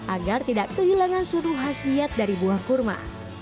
agar tidak kehilangan suhu khasiat dari buah kurma